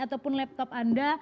atau membeli laptop anda